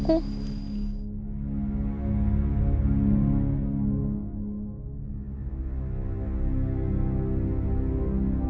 aku pengen lihat